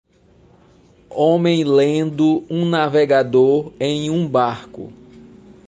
homem lendo um navegador em um barco.